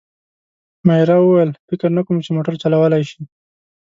مانیرا وویل: فکر نه کوم، چي موټر چلولای شي.